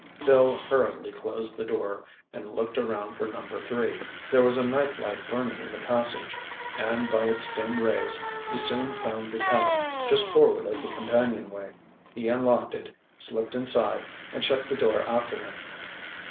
Bill hurriedly closed the door and looked around for Number 3. There was a night light burning in the passage and by its dim rays he soon found the cabin, just forward of the companionway. He unlocked it, slipped inside and shut the door after him.